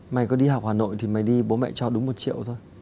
mày có đi học hà nội thì mới đi bố mẹ cho đúng một triệu thôi